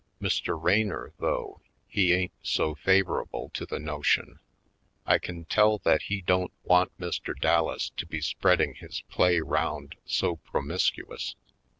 Mr. Raynor, though, he ain't so favorable to the notion. I can tell that he don't want Mr. Dallas to be spread ing his play 'round so promiscuous.